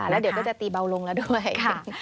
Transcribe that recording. แล้วเดี๋ยวก็จะตีเบาลงแล้วด้วย